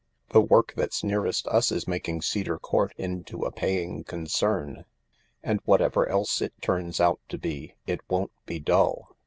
The work that's nearest us is making Cedar Court into a paying concern. And whatever else it turns out to be, it won't be dull.